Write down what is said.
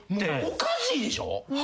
おかしいでしょ？